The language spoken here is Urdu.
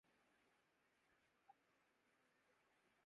احکام ترے حق ہیں مگر اپنے مفسر